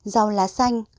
rau lá xanh